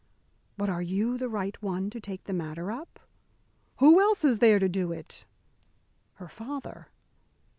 "But are you the right one to take the matter up?" "Who else is there to do it?" "Her father."